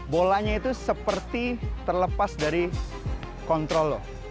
bolanya itu seperti terlepas dari kontrol lo